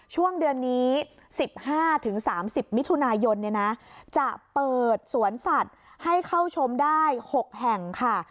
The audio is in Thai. ช่วงเดือนนี้๑๕๓๐มิถุนายนจะเปิดสวนสัตว์ให้เข้าชมได้๖แห่งค่ะ